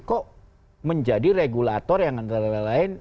kok menjadi regulator yang antara lain